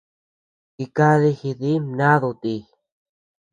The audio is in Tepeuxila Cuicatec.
Jikadi jidi mnadu ti.